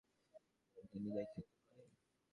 তাঁহার স্মিত হাস্য দেখিতে পাই, আবার ভ্রূকুটিও দেখিতে পাই।